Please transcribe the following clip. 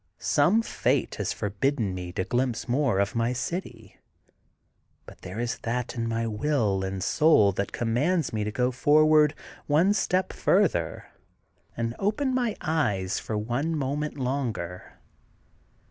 Some fate has forbidden me to glimpse more of my City. But there is that in my will and my soul that com mands me to go forward one step further, and open my eyes for one moment longer.